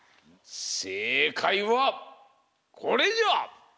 せいかいはこれじゃ！